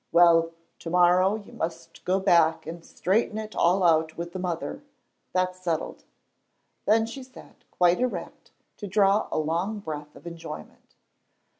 Well, to morrow you must go back and straighten it all out with the mother. That's settled." Then she sat quite erect to draw a long breath of enjoyment.